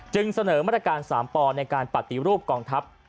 เสนอมาตรการ๓ปในการปฏิรูปกองทัพ